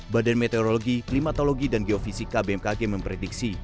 badan meteorologi klimatologi dan geofisika bmkg memprediksi